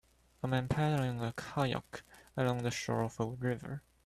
A man paddling a kayak along the shore of a river.